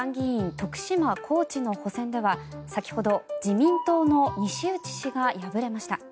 徳島・高知の補選では先ほど自民党の西内氏が敗れました。